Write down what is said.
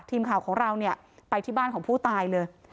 ทีมข่าวของเราเนี่ยไปที่บ้านของผู้ตายเลย